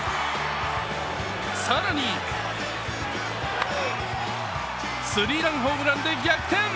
更にスリーランホームランで逆転。